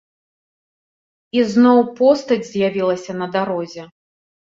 І зноў постаць з'явілася на дарозе.